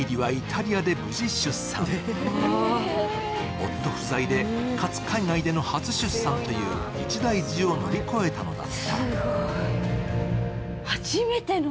夫不在でかつ海外での初出産という、一大事を乗り越えたのだった。